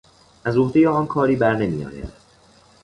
از عهدهی آن کاری برنمیآید.